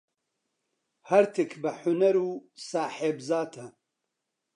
هەرتک بە حونەر و ساحێب زاتە.